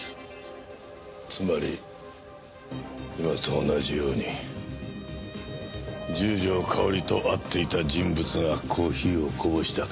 つまり今と同じように十条かおりと会っていた人物がコーヒーをこぼしたか。